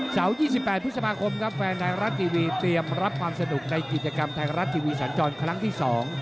๒๘พฤษภาคมครับแฟนไทยรัฐทีวีเตรียมรับความสนุกในกิจกรรมไทยรัฐทีวีสันจรครั้งที่๒